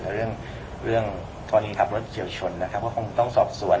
แต่เรื่องเรื่องกรณีขับรถเฉียวชนนะครับก็คงต้องสอบสวน